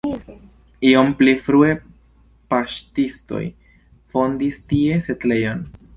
Iom pli frue paŝtistoj fondis tie setlejon.